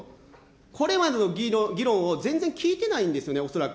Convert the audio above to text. これまでの議論を全然聞いてないんですよね、恐らく。